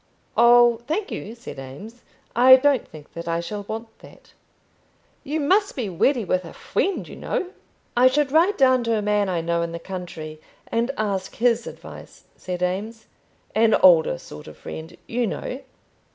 "Oh, thank you," said Eames, "I don't think that I shall want that." "You must be ready with a friend, you know." "I should write down to a man I know in the country, and ask his advice," said Eames; "an older sort of friend, you know."